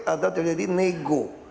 agar jadi nego